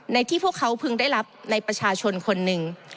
ที่พวกเขาพึงได้รับในประชาชนคนหนึ่ง